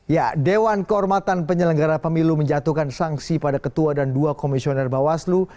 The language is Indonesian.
ya dewan kehormatan penyelenggara pemilu menjatuhkan sanksi pada ketua dan dua komisioner bawaslu